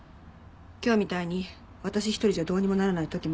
今日みたいに私一人じゃどうにもならない時もあるし。